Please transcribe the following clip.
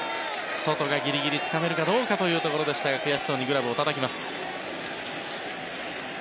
ソトがギリギリつかめるかどうかというところでしたが悔しそうにグラブをたたきます。